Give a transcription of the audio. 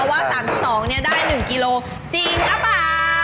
ว่า๓๒เนี่ยได้๑กิโลกรัมจริงกะเปล่า